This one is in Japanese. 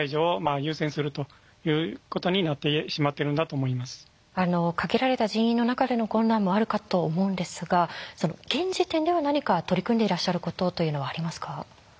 その結果ですね限られた人員の中での困難もあるかと思うんですが現時点では何か取り組んでいらっしゃることというのはありますか？